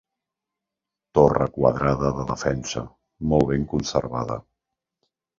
Torre quadrada de defensa, molt ben conservada.